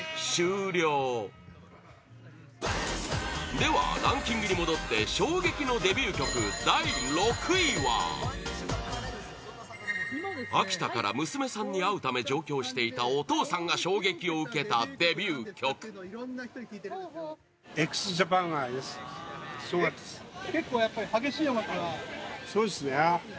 では、ランキングに戻って衝撃のデビュー曲、第６位は秋田から娘さんに会うため上京していたお父さんが衝撃を受けたデビュー曲Ｔｏｓｈｌ：紅だぁ！